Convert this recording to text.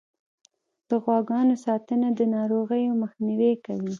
د غواګانو ساتنه د ناروغیو مخنیوی کوي.